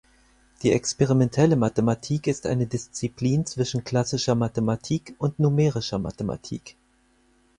Die Experimentelle Mathematik ist eine Disziplin zwischen klassischer Mathematik und Numerischer Mathematik.